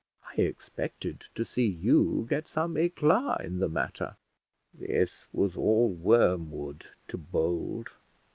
I expected to see you get some éclat in the matter." This was all wormwood to Bold.